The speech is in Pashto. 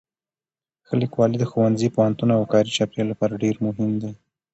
ښه لیکوالی د ښوونځي، پوهنتون او کاري چاپېریال لپاره ډېر مهم دی.